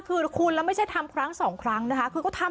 คือคุณแล้วไม่ใช่ทำครั้ง๒ครั้งนะคะ